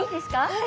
はい。